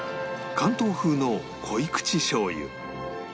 関東風の濃口しょう油